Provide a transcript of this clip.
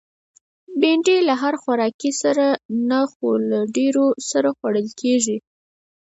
بېنډۍ له هر خوراکي سره نه، خو له ډېرو سره خوړل کېږي